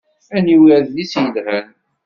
Aniwi adlis i yelhan?